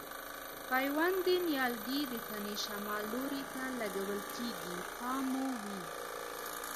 پیوند د نیالګي د تنې شمال لوري ته لګول کېږي پام مو وي.